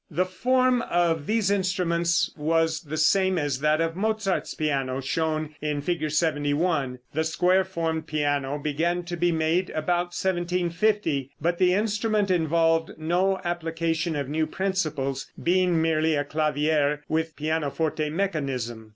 The form of these instruments was the same as that of Mozart's piano, shown in Fig. 71. The square formed piano began to be made about 1750, but the instrument involved no application of new principles, being merely a clavier with pianoforte mechanism.